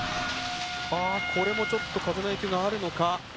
これもちょっと風の影響があるのか。